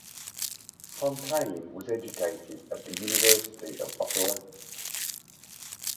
Fontaine was educated at the University of Ottawa.